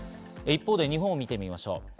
一方、日本を見てみましょう。